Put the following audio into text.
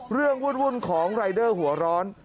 เรื่องวุ่นของรายเดอร์หัวร้อน